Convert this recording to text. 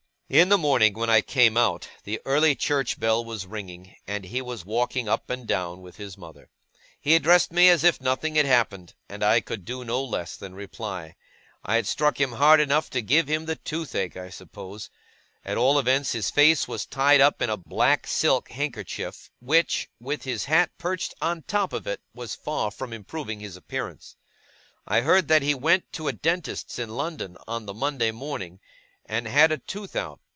In the morning, when I came out, the early church bell was ringing, and he was walking up and down with his mother. He addressed me as if nothing had happened, and I could do no less than reply. I had struck him hard enough to give him the toothache, I suppose. At all events his face was tied up in a black silk handkerchief, which, with his hat perched on the top of it, was far from improving his appearance. I heard that he went to a dentist's in London on the Monday morning, and had a tooth out.